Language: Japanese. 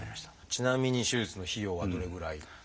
ちなみに手術の費用はどれぐらい？